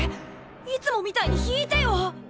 いつもみたいに弾いてよ！